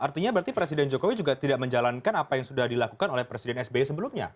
artinya berarti presiden jokowi juga tidak menjalankan apa yang sudah dilakukan oleh presiden sbi sebelumnya